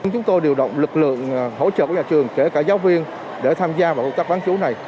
chúng tôi điều động lực lượng hỗ trợ nhà trường kể cả giáo viên để tham gia vào công tác bán chú này